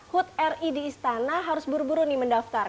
hud ri di istana harus buru buru nih mendaftar